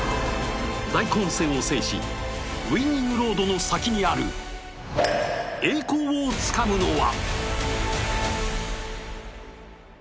大混戦を制し、ウイニングロードの先にある栄光をつかむのは。